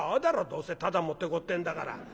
どうせただ持ってこうってんだから」。